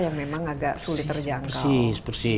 yang memang agak sulit terjangkau